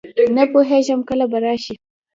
نه پوهېږم کله به راشي.